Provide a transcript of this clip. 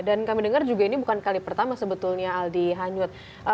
dan kami dengar juga ini bukan kali pertama sebetulnya aldi hanyut